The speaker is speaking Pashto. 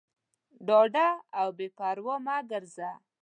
ډاډه او بېپروا مه ګرځه.